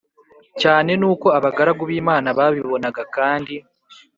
cyane n uko abagaragu b Imana babibonaga kandi